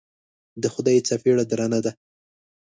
د خدای څپېړه درنه ده.